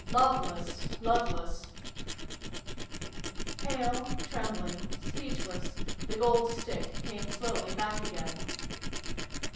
" Loveless, loveless !" Pale, trembling, speechless, the Gold Stick came slowly back again.